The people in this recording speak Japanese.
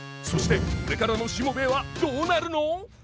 そしてこれからの「しもべえ」はどうなるの？